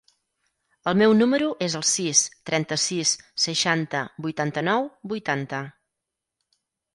El meu número es el sis, trenta-sis, seixanta, vuitanta-nou, vuitanta.